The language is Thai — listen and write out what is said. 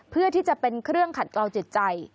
เพื่อที่จะเป็นเครื่องขัดกรองจิตใจ